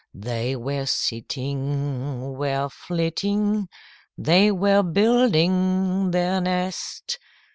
They were sitting, were flitting, They were building their nest.